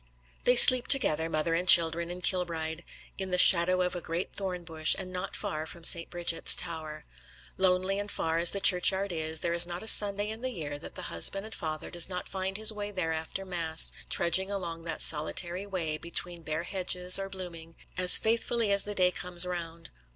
They sleep together, mother and children, in Kilbride, in the shadow of a great thorn bush, and not far from St. Brigid's Tower. Lonely and far as the churchyard is, there is not a Sunday in the year that the husband and father does not find his way there after mass, trudging along that solitary way, between bare hedges or blooming, as faithfully as the day comes round.